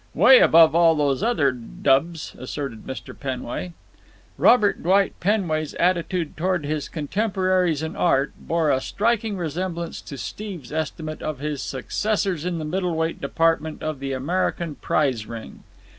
"Way above all these other dubs," asserted Mr. Penway. Robert Dwight Penway's attitude toward his contemporaries in art bore a striking resemblance to Steve's estimate of his successors in the middle weight department of the American prize ring.